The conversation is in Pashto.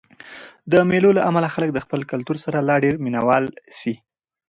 د مېلو له امله خلک د خپل کلتور سره لا ډېر مینه وال سي.